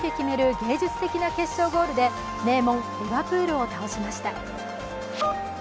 芸術的な決勝ゴールで名門・リヴァプールを倒しました。